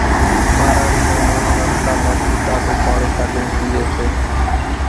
ٻاراڙِي نان ماڻۿان نلڪان مان ٿِي ٽاڍون پاڻِي ڪاڍينَ پيئيَ سي۔